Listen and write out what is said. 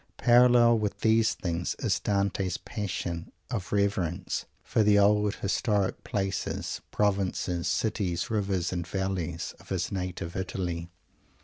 Parallel with these things is Dante's passion of reverence for the old historic places provinces, cities, rivers and valleys of his native Italy.